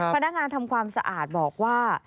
พนักงานทำความสะอาดบอกว่า